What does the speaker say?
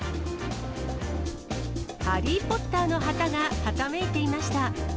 ハリー・ポッターの旗がはためいていました。